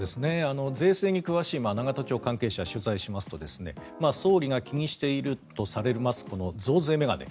税制に詳しい永田町関係者を取材しますと総理が気にしているとされます増税メガネ